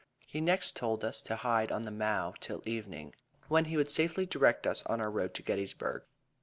He next told us to hide on the mow till eve, when he would safely direct us on our road to Gettysburg.